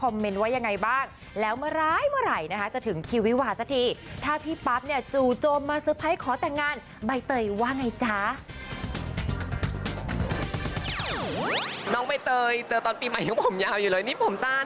น้องใบเตยเจอตอนปีใหม่ยังผมยาวอยู่เลยนี่ผมสั้น